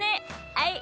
はい。